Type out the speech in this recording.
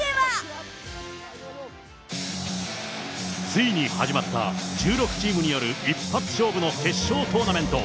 ついに始まった、１６チームによる一発勝負の決勝トーナメント。